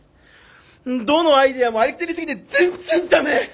どのアイデアもありきたりすぎて全然ダメ！